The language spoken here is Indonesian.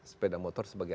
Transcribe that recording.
sepeda motor sebagai